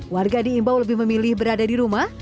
warga diimbau lebih memilih berada di rumah